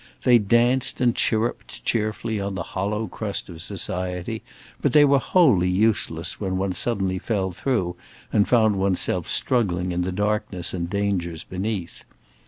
They danced and chirruped cheerfully on the hollow crust of society, but they were wholly useless when one suddenly fell through and found oneself struggling in the darkness and dangers beneath.